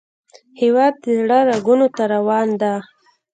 هیواد د زړه رګونو ته روان دی